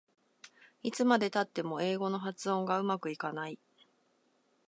いつまでたっても英語の発音がうまくいかない